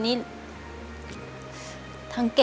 ขอบคุณครับ